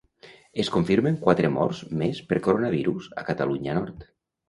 Es confirmen quatre morts més per coronavirus a Catalunya Nord.